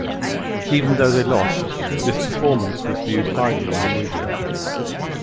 Even though they lost, this performance was viewed highly in the media.